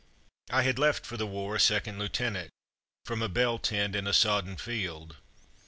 I had left for the war, a second lieuten ant, from a bell tent in a sodden field.